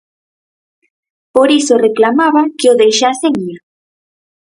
Por iso reclamaba que o deixasen ir.